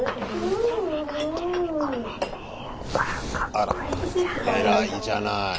あら偉いじゃない。